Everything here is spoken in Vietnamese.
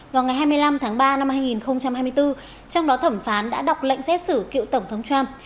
vào ngày hai mươi năm tháng ba năm hai nghìn hai mươi bốn trong đó thẩm phán đã đọc lệnh xét xử cựu tổng thống trump